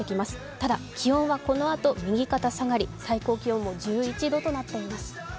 ただ気温はこのあと右肩下がり、最高気温も１１度となっています。